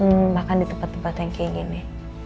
dulu kamu tuh ga suka makan di tempat tempat yang kayak gini